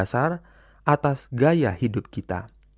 dan yang mendasar atas gaya hidup kita